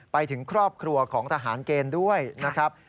ไปถึงครอบครัวของทหารเกณฑ์ด้วยนะครับ